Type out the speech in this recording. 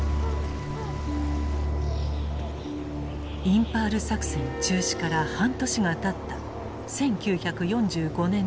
インパール作戦中止から半年がたった１９４５年の初頭。